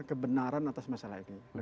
kebenaran atas masalah ini